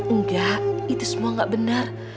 enggak itu semua nggak benar